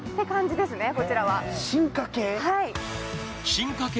進化系